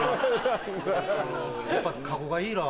やっぱカゴがいいら。